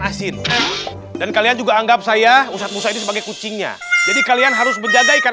asin dan kalian juga anggap saya ustadz musa ini sebagai kucingnya jadi kalian harus menjaga ikan